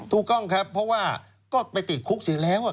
ทูลกล้องครับเพราะว่าก็ไปติดคุกสิแล้วอ่ะ